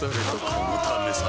このためさ